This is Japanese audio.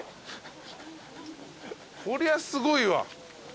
こりゃすごいわ。